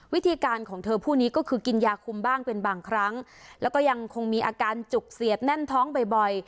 วิธีการของเธอผู้นี้ก็คือกินยาคุมบ้างเป็นบางครั้งแล้วก็ยังคงมีอาการจุกเสียบแน่นท้องบ่อย